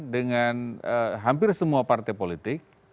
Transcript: dengan hampir semua partai politik